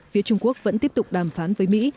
phía trung quốc vẫn tiếp tục đàm phán với mỹ